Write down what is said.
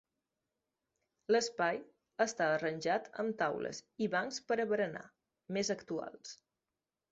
L'espai està arranjat amb taules i bancs per a berenar, més actuals.